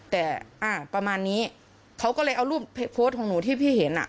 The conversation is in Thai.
แต่อ่าประมาณนี้เขาก็เลยเอารูปโพสต์ของหนูที่พี่เห็นอ่ะ